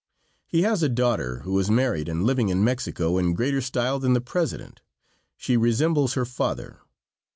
He has a daughter who is married and living in Mexico in greater style than the president. She resembles her father.